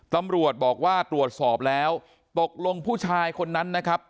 ตำรวจบอกว่าตรวจสอบแล้วตกลงผู้ชายคนนั้นนะครับ